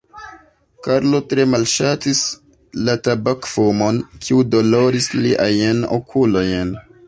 Karlo tre malŝatis la tabakfumon, kiu doloris liajn okulojn.